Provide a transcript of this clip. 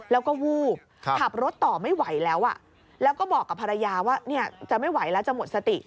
แล้วก็วูบขับรถต่อไม่ไหวแล้วแล้วก็บอกกับภรรยาว่าจะไม่ไหวแล้วจะหมดสติ